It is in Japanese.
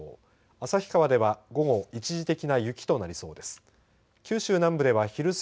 旭川では午後一時的な雪となりそうです。